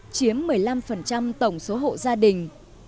chiếm một mươi năm tổng số hộ gia đình